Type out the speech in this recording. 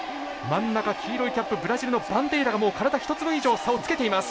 真ん中、黄色いキャップブラジルのバンデイラが体１つ分以上、差をつけています。